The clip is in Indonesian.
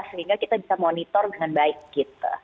sehingga kita bisa monitor dengan baik gitu